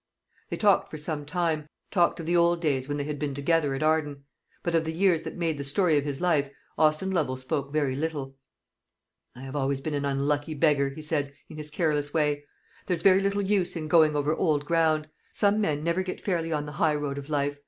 They talked for some time; talked of the old days when they had been together at Arden; but of the years that made the story of his life, Austin Lovel spoke very little. "I have always been an unlucky beggar," he said, in his careless way. "There's very little use in going over old ground. Some men never get fairly on the high road of life.